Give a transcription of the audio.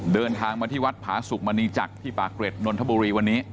เดินทางมาที่วัดผาสุกมณีจักรที่ปากเกร็ดนนทบุรีวันนี้